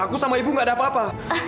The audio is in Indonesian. aku sama ibu gak ada apa apa